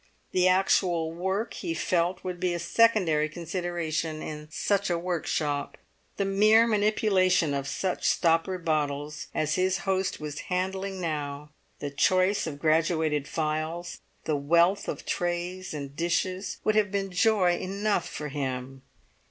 The actual work, he felt, would be a secondary consideration in such a workshop; the mere manipulation of such stoppered bottles as his host was handling now, the choice of graduated phials, the wealth of trays and dishes, would have been joy enough for him.